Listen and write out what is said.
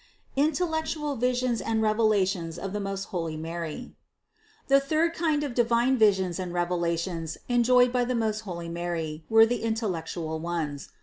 INTELLECTUAL VISIONS AND REVELATIONS OF THE MOST HOLY MARY. 634. The third kind of divine visions and revelations enjoyed by the most holy Mary were the intellectual ones.